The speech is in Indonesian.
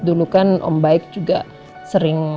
dulu kan om baik juga sering